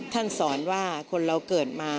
ท่านสอนว่าคนเราเกิดมา